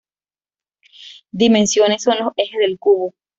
Dimensiones: son los ejes del cubo.